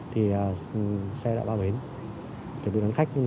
thì xe đã bảo bến